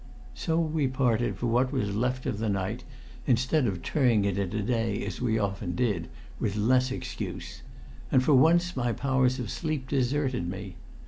So we parted for what was left of the night, instead of turning it into day as we often did with less excuse; and for once my powers of sleep deserted me.